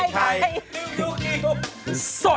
คราวใส่ไข่